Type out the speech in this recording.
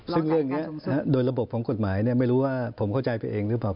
ซึ่งเรื่องนี้โดยระบบของกฎหมายไม่รู้ว่าผมเข้าใจไปเองหรือเปล่า